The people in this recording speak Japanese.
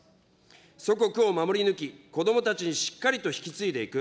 祖国を守り抜き、子どもたちにしっかりと引き継いでいく。